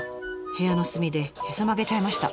部屋の隅でへそ曲げちゃいました。